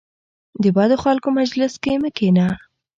د بدو خلکو مجلس کې مه کینه .